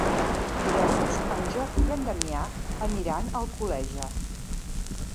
Divendres en Jordi i en Damià aniran a Alcoleja.